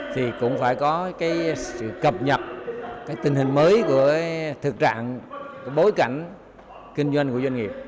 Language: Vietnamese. thì cũng phải có cái sự cập nhật cái tình hình mới của thực trạng bối cảnh kinh doanh của doanh nghiệp